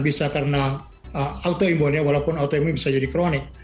bisa karena autoimunnya walaupun autoimi bisa jadi kronik